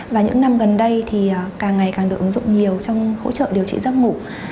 và những năm gần đây thì càng ngày càng được ứng dụng nhiều trong hỗ trợ điều trị giấc ngủ